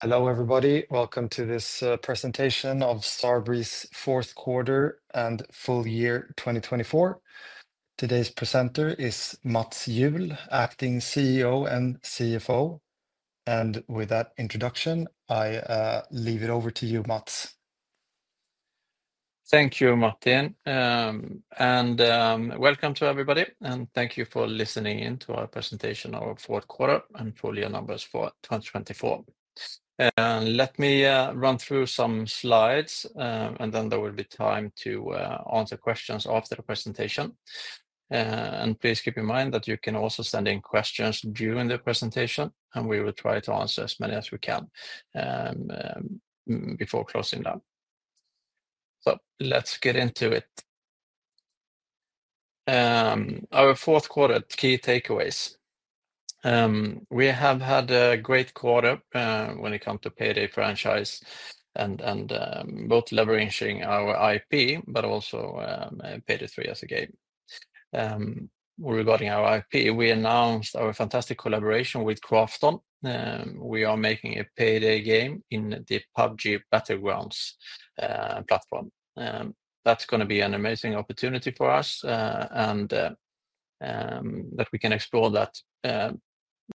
Hello, everybody. Welcome to this presentation of Starbreeze Fourth Quarter and Full Year 2024. Today's presenter is Mats Juhl, Acting CEO and CFO. With that introduction, I leave it over to you, Mats. Thank you, Martin. Welcome to everybody. Thank you for listening in to our presentation of fourth quarter and full year numbers for 2024. Let me run through some slides, and there will be time to answer questions after the presentation. Please keep in mind that you can also send in questions during the presentation, and we will try to answer as many as we can before closing down. Let's get into it. Our fourth quarter key takeaways. We have had a great quarter when it comes to the Payday franchise and both leveraging our IP, but also Payday 3 as a game. Regarding our IP, we announced our fantastic collaboration with Krafton. We are making a Payday game in the PUBG Battlegrounds platform. That's going to be an amazing opportunity for us and that we can explore that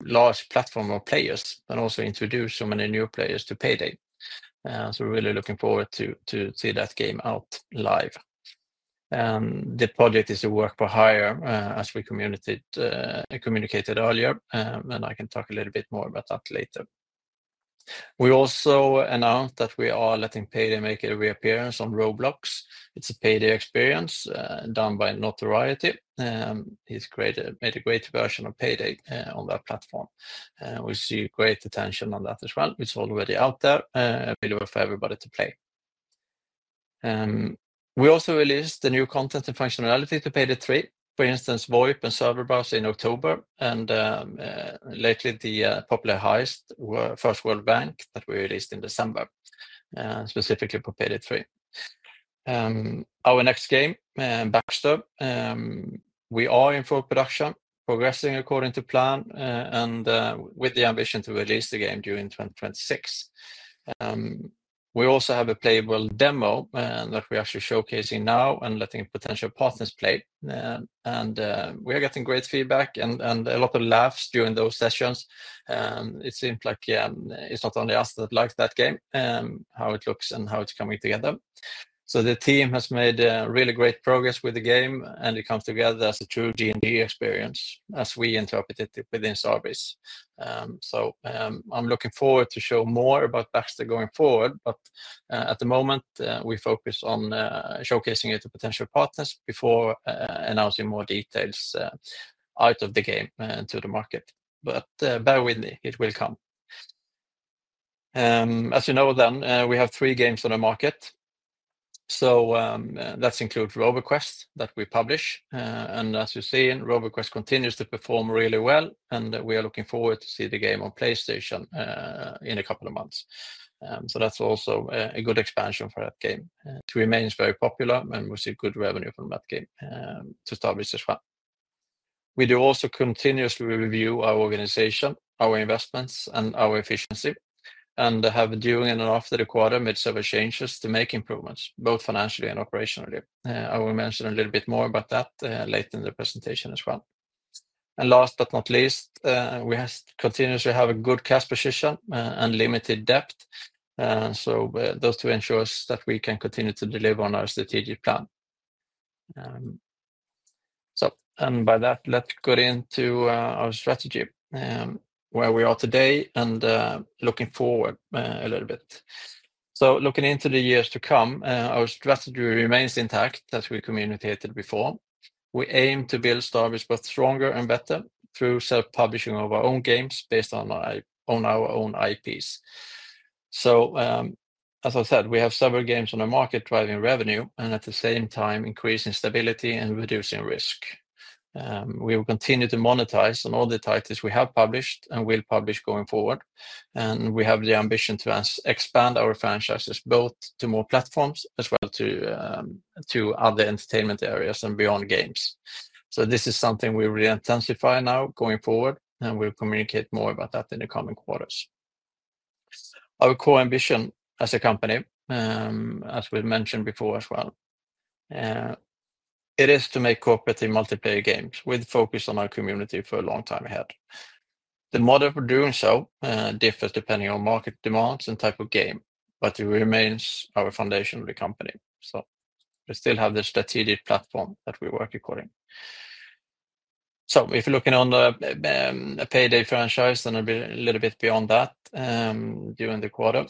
large platform of players, but also introduce so many new players to Payday. We are really looking forward to see that game out live. The project is a work for hire, as we communicated earlier, and I can talk a little bit more about that later. We also announced that we are letting Payday make a reappearance on Roblox. It's a Payday experience done by Notoriety. He's made a great version of Payday on that platform. We see great attention on that as well. It's already out there, available for everybody to play. We also released the new content and functionality to Payday 3. For instance, VoIP and server browser in October, and lately the popular Heist: First World Bank that we released in December, specifically for Payday 3. Our next game, Baxter, we are in full production, progressing according to plan, and with the ambition to release the game during 2026. We also have a playable demo that we're actually showcasing now and letting potential partners play. We are getting great feedback and a lot of laughs during those sessions. It seems like it's not only us that liked that game, how it looks and how it's coming together. The team has made really great progress with the game, and it comes together as a true D&D experience as we interpreted it within Starbreeze. I'm looking forward to showing more about Baxter going forward, but at the moment, we focus on showcasing it to potential partners before announcing more details out of the game to the market. Bear with me, it will come. As you know, then, we have three games on the market. Let's include RoboQuest that we publish. As you see, RoboQuest continues to perform really well, and we are looking forward to seeing the game on PlayStation in a couple of months. That is also a good expansion for that game. It remains very popular, and we see good revenue from that game to Starbreeze as well. We do also continuously review our organization, our investments, and our efficiency, and have during and after the quarter made several changes to make improvements, both financially and operationally. I will mention a little bit more about that later in the presentation as well. Last but not least, we continuously have a good cash position and limited debt. Those two ensure that we can continue to deliver on our strategic plan. By that, let's get into our strategy, where we are today, and looking forward a little bit. Looking into the years to come, our strategy remains intact as we communicated before. We aim to build Starbreeze both stronger and better through self-publishing of our own games based on our own IPs. As I said, we have several games on the market driving revenue and at the same time increasing stability and reducing risk. We will continue to monetize on all the titles we have published and will publish going forward. We have the ambition to expand our franchises both to more platforms as well as to other entertainment areas and beyond games. This is something we really intensify now going forward, and we'll communicate more about that in the coming quarters. Our core ambition as a company, as we've mentioned before as well, is to make cooperative multiplayer games with focus on our community for a long time ahead. The model for doing so differs depending on market demands and type of game, but it remains our foundation of the company. We still have the strategic platform that we work according. If you're looking on a Payday franchise, then it'll be a little bit beyond that during the quarter.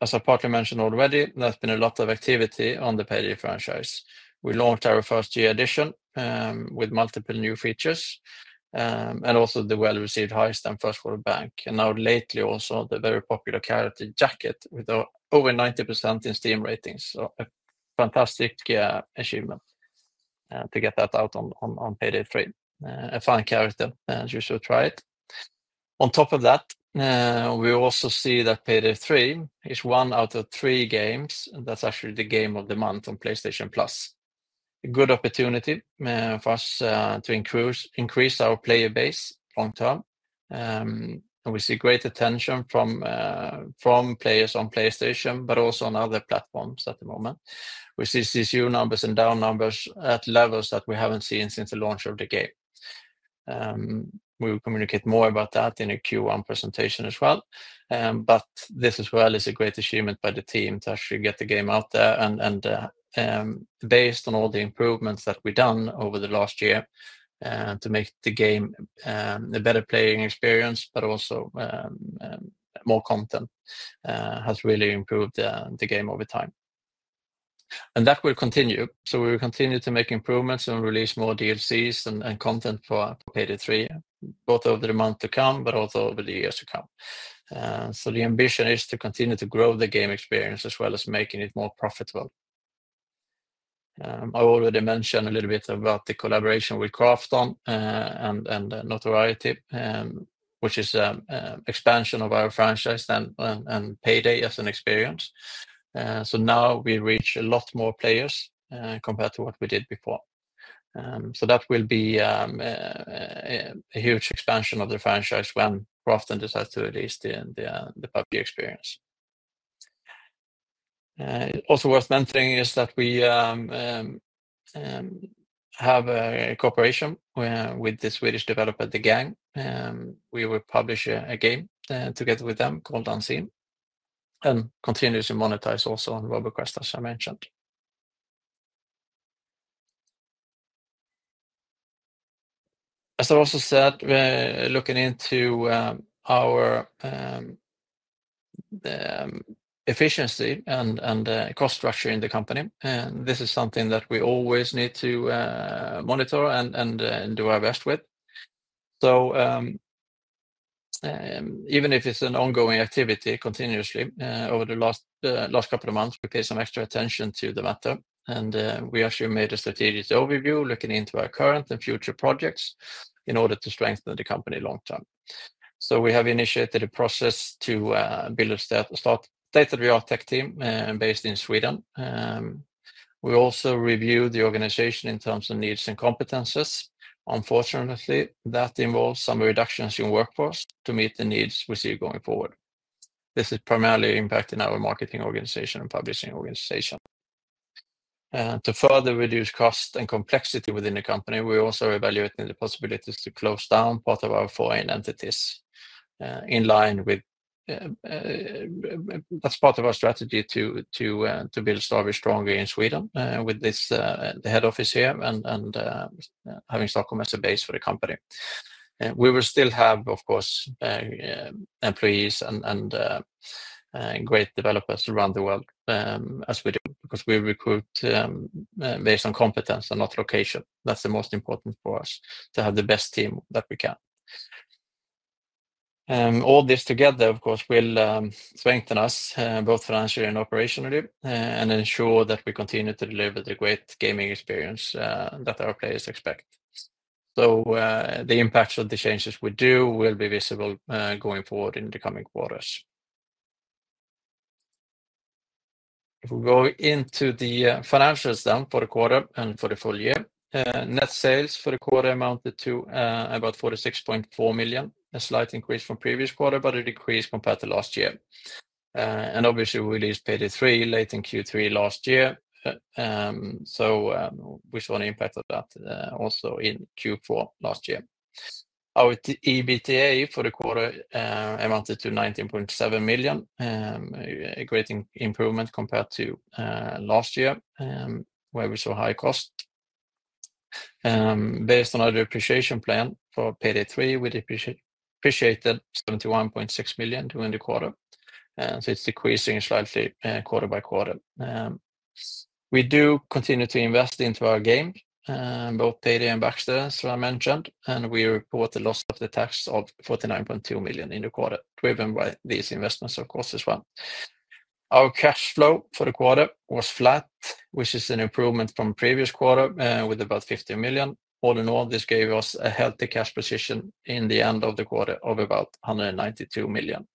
As I partly mentioned already, there's been a lot of activity on the Payday franchise. We launched our first year edition with multiple new features and also the well-received Heist: First World Bank. Lately also the very popular character Jacket with over 90% in Steam ratings. A fantastic achievement to get that out on Payday 3. A fun character as you should try it. On top of that, we also see that Payday 3 is one out of three games that's actually the game of the month on PlayStation Plus. A good opportunity for us to increase our player base long term. We see great attention from players on PlayStation, but also on other platforms at the moment. We see CCU numbers and DAU numbers at levels that we have not seen since the launch of the game. We will communicate more about that in a Q1 presentation as well. This as well is a great achievement by the team to actually get the game out there. Based on all the improvements that we have done over the last year to make the game a better playing experience, more content has really improved the game over time. That will continue. We will continue to make improvements and release more DLC and content for Payday 3, both over the months to come and over the years to come. The ambition is to continue to grow the game experience as well as making it more profitable. I already mentioned a little bit about the collaboration with Krafton and Notoriety, which is an expansion of our franchise and Payday as an experience. Now we reach a lot more players compared to what we did before. That will be a huge expansion of the franchise when Krafton decides to release the PUBG experience. Also worth mentioning is that we have a cooperation with the Swedish developer, The Gang. We will publish a game together with them called Unseen and continuously monetize also on RoboQuest, as I mentioned. As I also said, we're looking into our efficiency and cost structure in the company. This is something that we always need to monitor and do our best with. Even if it's an ongoing activity continuously over the last couple of months, we pay some extra attention to the matter. We actually made a strategic overview looking into our current and future projects in order to strengthen the company long term. We have initiated a process to build a state-of-the-art tech team based in Sweden. We also reviewed the organization in terms of needs and competencies. Unfortunately, that involves some reductions in workforce to meet the needs we see going forward. This is primarily impacting our marketing organization and publishing organization. To further reduce cost and complexity within the company, we're also evaluating the possibilities to close down part of our foreign entities in line with our strategy to build Starbreeze stronger in Sweden with the head office here and having Stockholm as a base for the company. We will still have, of course, employees and great developers around the world as we do, because we recruit based on competence and not location. That's the most important for us to have the best team that we can. All this together, of course, will strengthen us both financially and operationally and ensure that we continue to deliver the great gaming experience that our players expect. The impacts of the changes we do will be visible going forward in the coming quarters. If we go into the financials then for the quarter and for the full year, net sales for the quarter amounted to about 46.4 million, a slight increase from previous quarter, but a decrease compared to last year. Obviously, we released Payday 3 late in Q3 last year. We saw an impact of that also in Q4 last year. Our EBITDA for the quarter amounted to 19.7 million, a great improvement compared to last year where we saw high cost. Based on our depreciation plan for Payday 3, we depreciated 71.6 million during the quarter. It is decreasing slightly quarter by quarter. We do continue to invest into our game, both Payday and Baxter, as I mentioned, and we report the loss after tax of 49.2 million in the quarter, driven by these investments, of course, as well. Our cash flow for the quarter was flat, which is an improvement from previous quarter with about 50 million. All in all, this gave us a healthy cash position in the end of the quarter of about 192 million.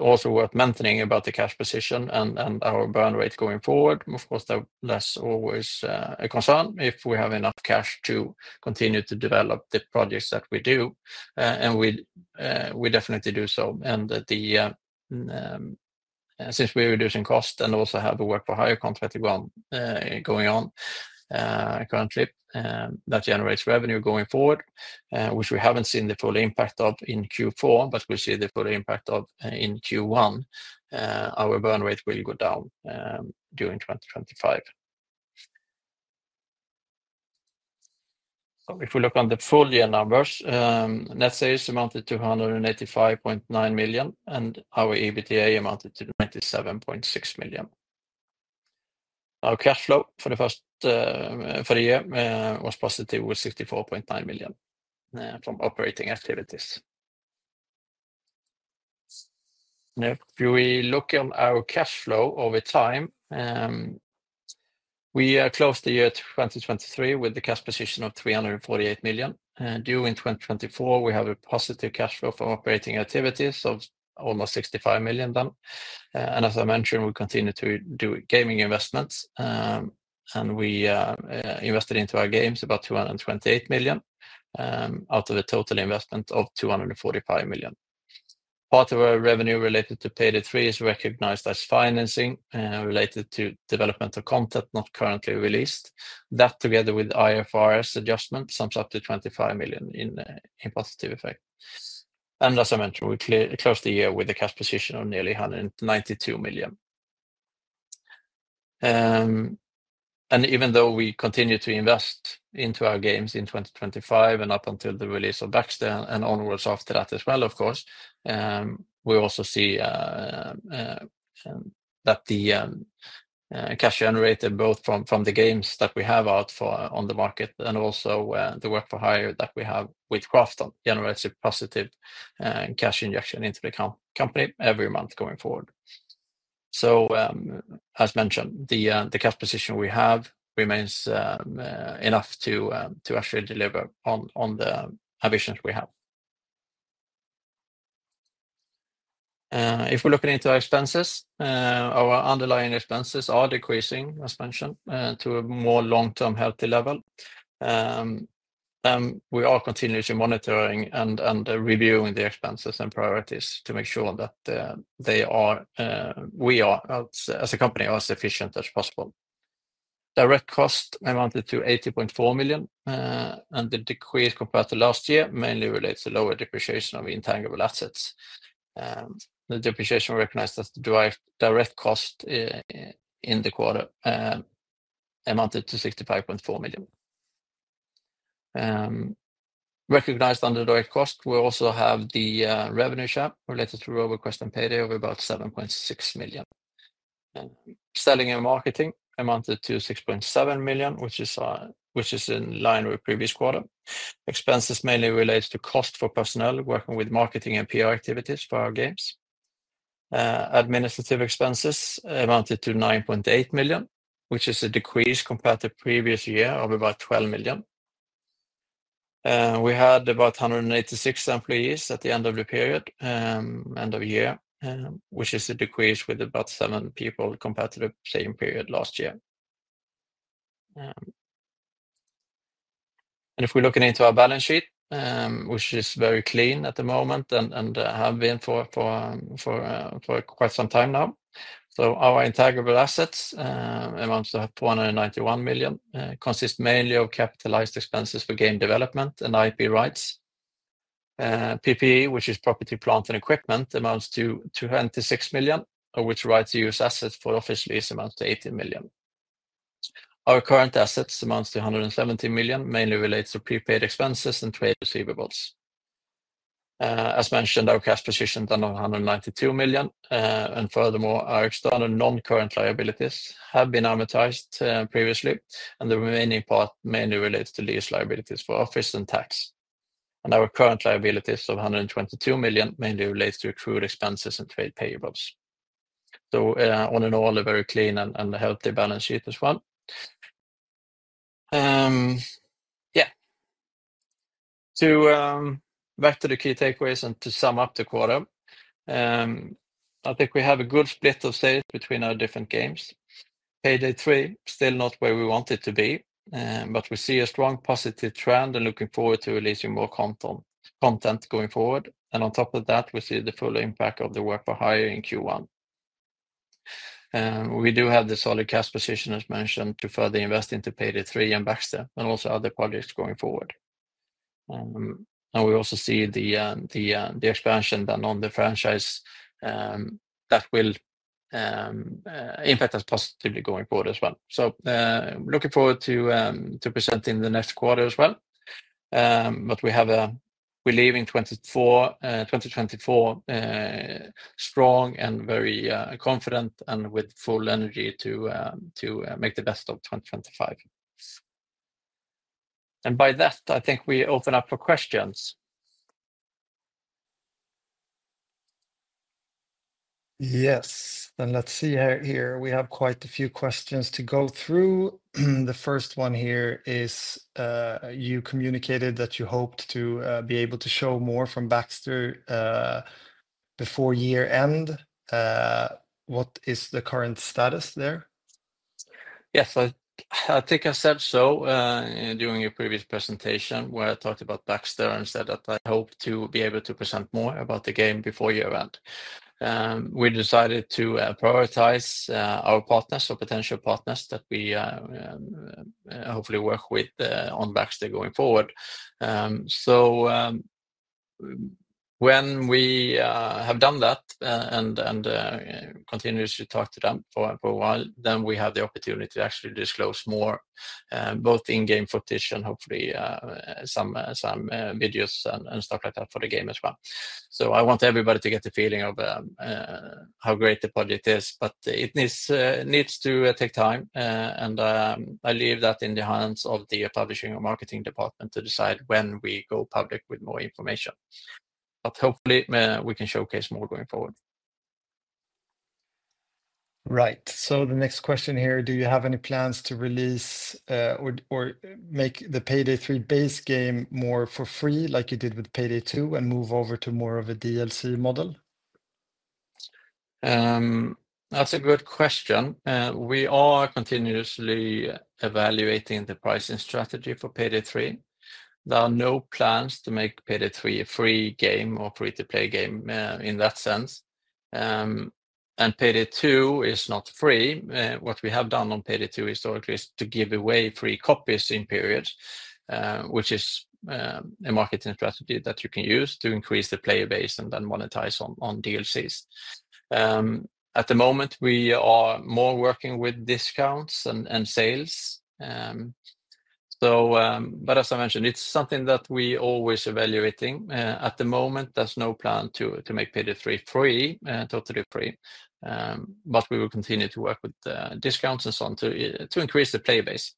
Also worth mentioning about the cash position and our burn rate going forward, of course, that's always a concern if we have enough cash to continue to develop the projects that we do. We definitely do so. Since we're reducing cost and also have a work for hire contract going on currently, that generates revenue going forward, which we haven't seen the full impact of in Q4, but we'll see the full impact of in Q1. Our burn rate will go down during 2025. If we look on the full year numbers, net sales amounted to 185.9 million and our EBITDA amounted to 97.6 million. Our cash flow for the year was positive with 64.9 million from operating activities. If we look on our cash flow over time, we closed the year 2023 with the cash position of 348 million. During 2024, we have a positive cash flow from operating activities of almost 65 million. As I mentioned, we continue to do gaming investments. We invested into our games about 228 million out of a total investment of 245 million. Part of our revenue related to Payday 3 is recognized as financing related to developmental content not currently released. That together with IFRS adjustments sums up to 25 million in positive effect. As I mentioned, we closed the year with a cash position of nearly 192 million. Even though we continue to invest into our games in 2025 and up until the release of Baxter and onwards after that as well, of course, we also see that the cash generated both from the games that we have out on the market and also the work for hire that we have with Krafton generates a positive cash injection into the company every month going forward. As mentioned, the cash position we have remains enough to actually deliver on the ambitions we have. If we're looking into our expenses, our underlying expenses are decreasing, as mentioned, to a more long-term healthy level. We are continuously monitoring and reviewing the expenses and priorities to make sure that we are, as a company, as efficient as possible. Direct cost amounted to 80.4 million, and the decrease compared to last year mainly relates to lower depreciation of intangible assets. The depreciation recognized as the direct cost in the quarter amounted to 65.4 million. Recognized under direct cost, we also have the revenue share related to Roboquest and Payday of about 7.6 million. Selling and marketing amounted to 6.7 million, which is in line with previous quarter. Expenses mainly relate to cost for personnel working with marketing and PR activities for our games. Administrative expenses amounted to 9.8 million, which is a decrease compared to previous year of about 12 million. We had about 186 employees at the end of the period, end of year, which is a decrease with about seven people compared to the same period last year. If we're looking into our balance sheet, which is very clean at the moment and have been for quite some time now. Our intangible assets amounts to 491 million, consist mainly of capitalized expenses for game development and IP rights. PPE, which is property, plant and equipment, amounts to 26 million, which right-of-use assets for office lease amounts to 18 million. Our current assets amounts to 170 million, mainly relates to prepaid expenses and trade receivables. As mentioned, our cash position is under 192 million. Furthermore, our external non-current liabilities have been amortized previously, and the remaining part mainly relates to lease liabilities for office and tax. Our current liabilities of 122 million mainly relates to accrued expenses and trade payables. All in all, a very clean and healthy balance sheet as well. Yeah. Back to the key takeaways and to sum up the quarter, I think we have a good split of sales between our different games. Payday 3 is still not where we want it to be, but we see a strong positive trend and looking forward to releasing more content going forward. On top of that, we see the full impact of the work for hire in Q1. We do have the solid cash position, as mentioned, to further invest into Payday 3 and Baxter, and also other projects going forward. We also see the expansion done on the franchise that will impact us positively going forward as well. Looking forward to presenting the next quarter as well. We leave in 2024 strong and very confident and with full energy to make the best of 2025. By that, I think we open up for questions. Yes. Let's see here. We have quite a few questions to go through. The first one here is you communicated that you hoped to be able to show more from Baxter before year-end. What is the current status there? Yes, I think I said so during a previous presentation where I talked about Baxter and said that I hope to be able to present more about the game before year-end. We decided to prioritize our partners or potential partners that we hopefully work with on Baxter going forward. When we have done that and continuously talked to them for a while, we have the opportunity to actually disclose more, both in-game footage and hopefully some videos and stuff like that for the game as well. I want everybody to get the feeling of how great the project is, but it needs to take time. I leave that in the hands of the publishing and marketing department to decide when we go public with more information. Hopefully, we can showcase more going forward. The next question here, do you have any plans to release or make the Payday 3 base game more for free like you did with Payday 2 and move over to more of a DLC model? That's a good question. We are continuously evaluating the pricing strategy for Payday 3. There are no plans to make Payday 3 a free game or free-to-play game in that sense. Payday 2 is not free. What we have done on Payday 2 historically is to give away free copies in periods, which is a marketing strategy that you can use to increase the player base and then monetize on DLCs. At the moment, we are more working with discounts and sales. As I mentioned, it's something that we are always evaluating. At the moment, there's no plan to make Payday 3 totally free, but we will continue to work with discounts and so on to increase the player base.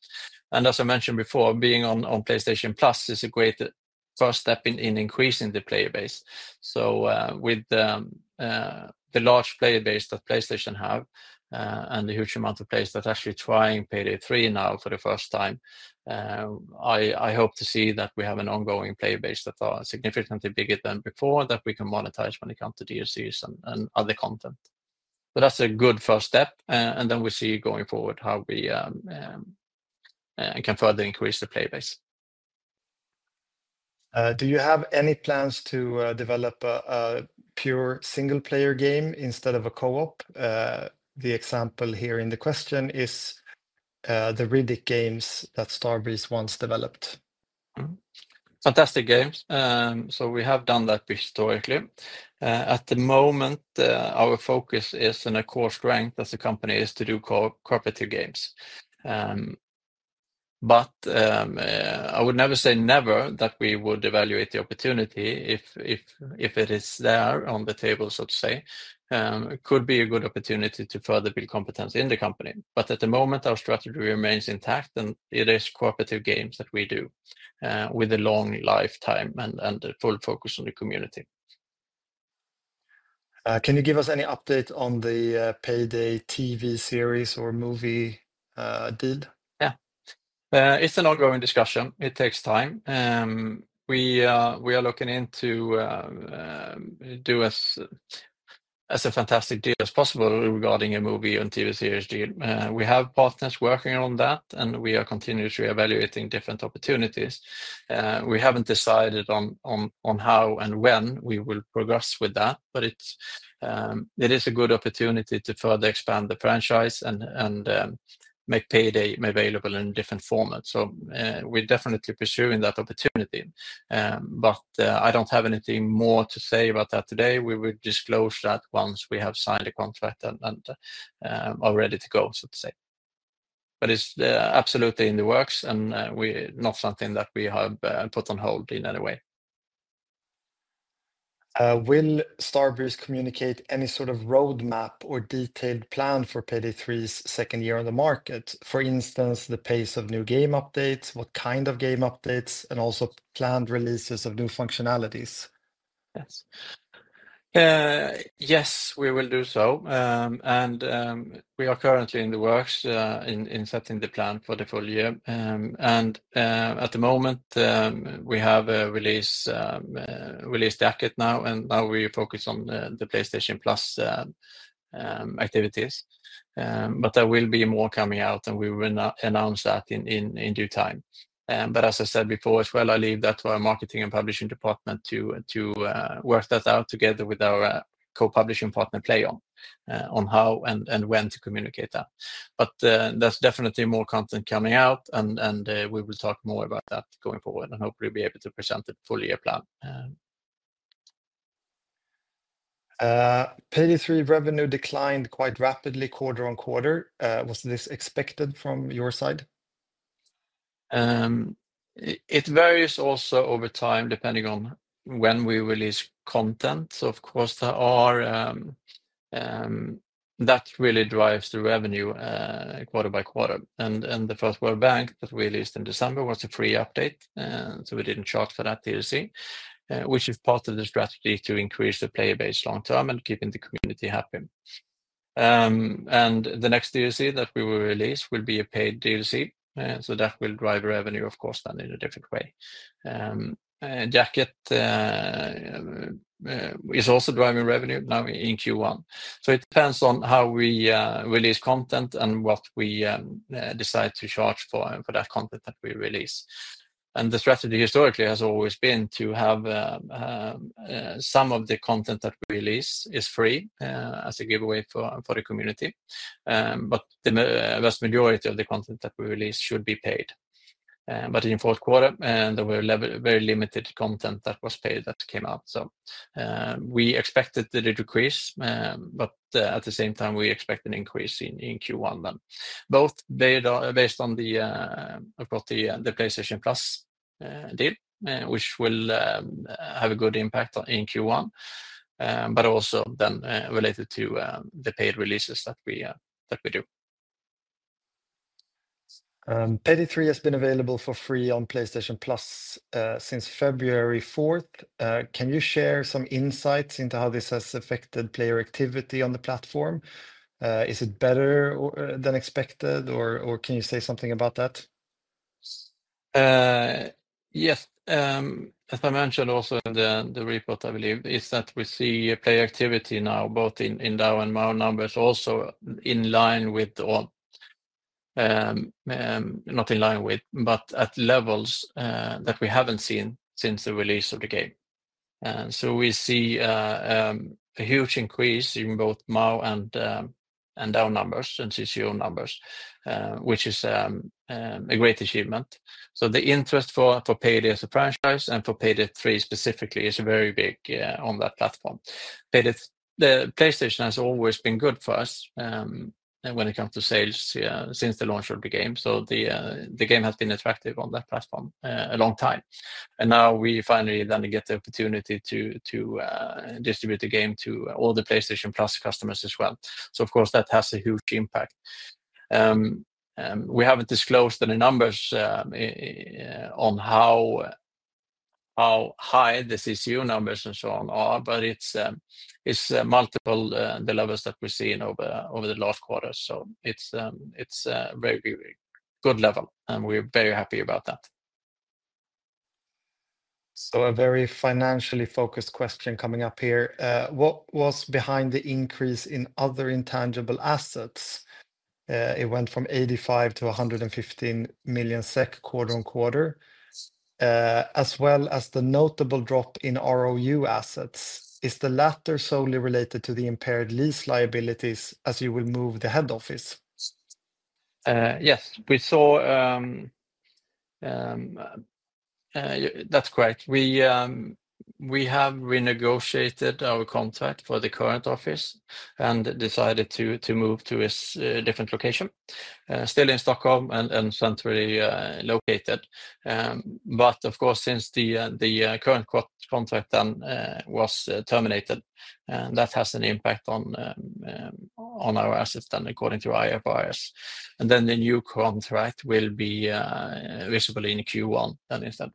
As I mentioned before, being on PlayStation Plus is a great first step in increasing the player base. With the large player base that PlayStation has and the huge amount of players that are actually trying Payday 3 now for the first time, I hope to see that we have an ongoing player base that is significantly bigger than before that we can monetize when it comes to DLCs and other content. That's a good first step. We see going forward how we can further increase the player base. Do you have any plans to develop a pure single-player game instead of a co-op? The example here in the question is the Riddick games that Starbreeze once developed. Fantastic games. We have done that historically. At the moment, our focus is, and of course strength as a company is to do cooperative games. I would never say never that we would evaluate the opportunity if it is there on the table, so to say. It could be a good opportunity to further build competence in the company. At the moment, our strategy remains intact, and it is cooperative games that we do with a long lifetime and full focus on the community. Can you give us any update on the Payday TV series or movie deal? Yeah. It's an ongoing discussion. It takes time. We are looking into doing as fantastic a deal as possible regarding a movie and TV series deal. We have partners working on that, and we are continuously evaluating different opportunities. We haven't decided on how and when we will progress with that, but it is a good opportunity to further expand the franchise and make Payday available in different formats. We are definitely pursuing that opportunity. I don't have anything more to say about that today. We will disclose that once we have signed the contract and are ready to go, so to say. It is absolutely in the works and not something that we have put on hold in any way. Will Starbreeze communicate any sort of roadmap or detailed plan for Payday 3's second year on the market? For instance, the pace of new game updates, what kind of game updates, and also planned releases of new functionalities? Yes, we will do so. We are currently in the works in setting the plan for the full year. At the moment, we have a release Jacket now, and now we focus on the PlayStation Plus activities. There will be more coming out, and we will announce that in due time. As I said before as well, I leave that to our marketing and publishing department to work that out together with our co-publishing partner Plaion on how and when to communicate that. There is definitely more content coming out, and we will talk more about that going forward and hopefully be able to present a full year plan. Payday 3 revenue declined quite rapidly quarter on quarter. Was this expected from your side? It varies also over time depending on when we release content. Of course, that really drives the revenue quarter by quarter. The First World Bank that we released in December was a free update. We did not charge for that DLC, which is part of the strategy to increase the player base long term and keeping the community happy. The next DLC that we will release will be a paid DLC. That will drive revenue, of course, in a different way. Jacket is also driving revenue now in Q1. It depends on how we release content and what we decide to charge for that content that we release. The strategy historically has always been to have some of the content that we release as free as a giveaway for the community. The vast majority of the content that we release should be paid. In fourth quarter, there were very limited content that was paid that came out. We expected the decrease, but at the same time, we expect an increase in Q1 then. Both based on the, of course, the PlayStation Plus deal, which will have a good impact in Q1, but also then related to the paid releases that we do. Payday 3 has been available for free on PlayStation Plus since February 4th. Can you share some insights into how this has affected player activity on the platform? Is it better than expected, or can you say something about that? Yes. As I mentioned also in the report, I believe, is that we see player activity now both in DAU and MAU numbers also in line with, or not in line with, but at levels that we haven't seen since the release of the game. We see a huge increase in both MAU and DAU numbers and CCU numbers, which is a great achievement. The interest for Payday as a franchise and for Payday 3 specifically is very big on that platform. PlayStation has always been good for us when it comes to sales since the launch of the game. The game has been attractive on that platform a long time. Now we finally then get the opportunity to distribute the game to all the PlayStation Plus customers as well. Of course, that has a huge impact. We haven't disclosed any numbers on how high the CCU numbers and so on are, but it's multiple the levels that we've seen over the last quarter. It's a very good level, and we're very happy about that. A very financially focused question coming up here. What was behind the increase in other intangible assets? It went from 85 million to 115 million SEK quarter on quarter, as well as the notable drop in ROU assets. Is the latter solely related to the impaired lease liabilities as you will move the head office? Yes, that's correct. We have renegotiated our contract for the current office and decided to move to a different location, still in Stockholm and centrally located. Of course, since the current contract then was terminated, that has an impact on our assets then according to IFRS. The new contract will be visible in Q1 then instead.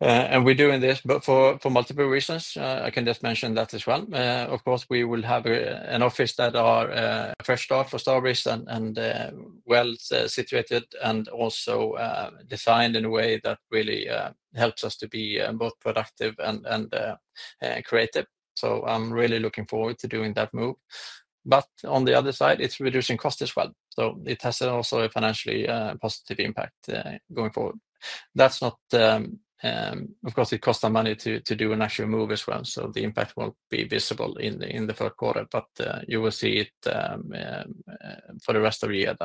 We're doing this for multiple reasons. I can just mention that as well. Of course, we will have an office that is a fresh start for Starbreeze and well situated and also designed in a way that really helps us to be both productive and creative. I'm really looking forward to doing that move. On the other side, it's reducing costs as well. It has also a financially positive impact going forward. Of course, it costs some money to do an actual move as well. The impact won't be visible in the third quarter, but you will see it for the rest of the year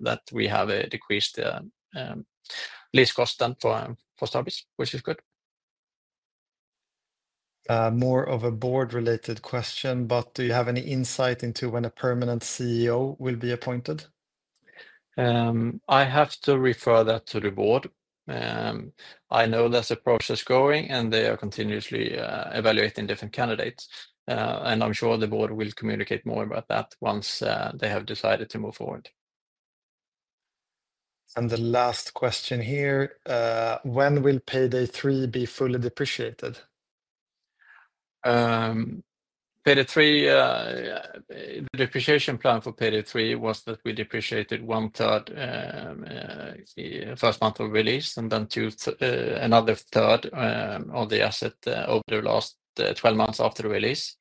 that we have decreased the lease cost then for Starbreeze, which is good. More of a board-related question, but do you have any insight into when a permanent CEO will be appointed? I have to refer that to the board. I know there's a process going, and they are continuously evaluating different candidates. I am sure the board will communicate more about that once they have decided to move forward. The last question here, when will Payday 3 be fully depreciated? The depreciation plan for Payday 3 was that we depreciated one-third first month of release and then another third of the asset over the last 12 months after the release.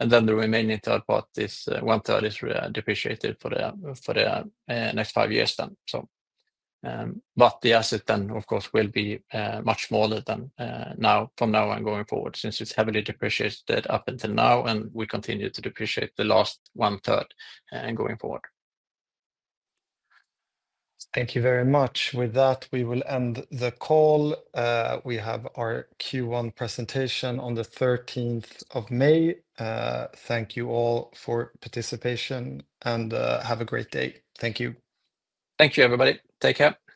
The remaining third part, one-third, is depreciated for the next five years then. The asset then, of course, will be much smaller from now and going forward since it's heavily depreciated up until now, and we continue to depreciate the last one-third going forward. Thank you very much. With that, we will end the call. We have our Q1 presentation on the 13th of May. Thank you all for participation and have a great day. Thank you. Thank you, everybody. Take care.